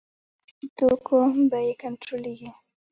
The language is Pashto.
د خوراکي توکو بیې کنټرولیږي